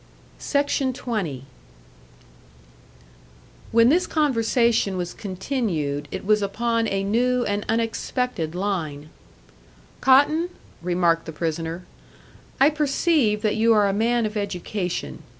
When this conversation was continued, it was upon a new and unexpected line. "Cotton," remarked the prisoner, "I perceive that you are a man of education.